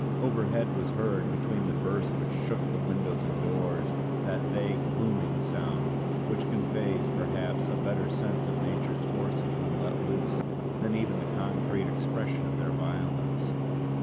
Overhead was heard, between the burst which shook the windows and doors, that vague, booming sound, which conveys perhaps a better sense of nature's forces when let loose, than even the concrete expression of their violence.